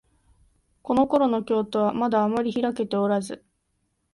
このころの京都は、まだあまりひらけておらず、